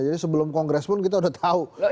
jadi sebelum kongres pun kita sudah tahu